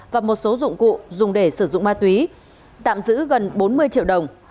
và một số dụng cụ dùng để sử dụng ma túy tạm giữ gần bốn mươi triệu đồng